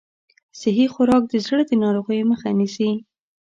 صحي خوراک د زړه د ناروغیو مخه نیسي.